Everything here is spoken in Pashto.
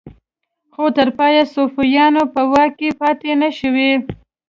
خو تر پایه صفویانو په واک کې پاتې نشوې.